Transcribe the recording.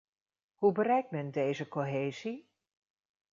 Hoe bereikt men deze cohesie?